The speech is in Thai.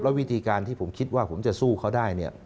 วิธีการที่ผมคิดว่าผมจะสู้เขาได้เนี่ย